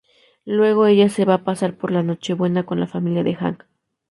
Luego ella se va a pasar la Nochebuena con la familia de Hank.